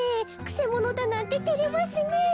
くせものだなんててれますねえ。